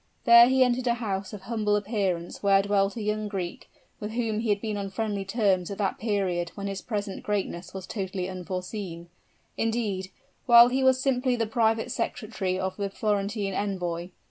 There he entered a house of humble appearance where dwelt a young Greek, with whom he had been on friendly terms at that period when his present greatness was totally unforeseen indeed, while he was simply the private secretary of the Florentine envoy.